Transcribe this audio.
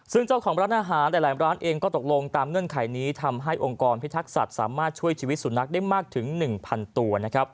ซึ่งเจ้าของร้านอาหารหลายร้านเองก็ตกลงตามเงื่อนไขนี้ทำให้องค์กรพิทักษัตริย์สามารถช่วยชีวิตสุนัขได้มากถึง๑๐๐๐ตัว